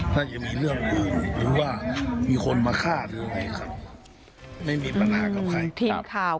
ถ้าจะมีเรื่องอื่นหรือว่ามีคนมาฆ่าหรืออะไรครับไม่มีปัญหากับใครทีมข่าว